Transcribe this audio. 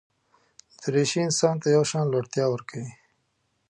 دریشي انسان ته یو شان لوړتیا ورکوي.